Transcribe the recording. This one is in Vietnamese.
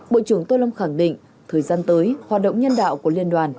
bộ trưởng tô lâm khẳng định thời gian tới hoạt động nhân đạo của liên đoàn